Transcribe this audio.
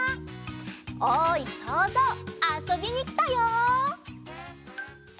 おいそうぞうあそびにきたよ！